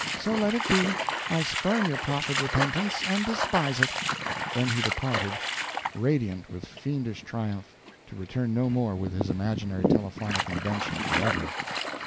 So let it be. I spurn your proffered repentance, and despise it!" Then he departed, radiant with fiendish triumph, to return no more with his imaginary telephonic invention forever.